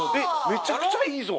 めちゃくちゃいいぞ！